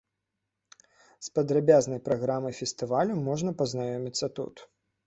З падрабязнай праграмай фестывалю можна пазнаёміцца тут.